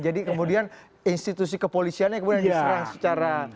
jadi kemudian institusi kepolisiannya kemudian diserang secara